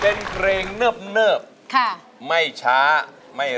เป็นเมลิเฟอร์ชื่อ